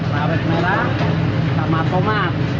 rawit merah sama tomat